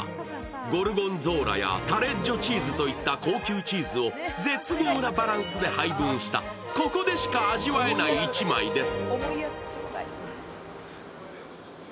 ゴルゴンゾーラやタレッジョチーズといった高級チーズを絶妙なバランスで配合したここでしか味わえない１枚です。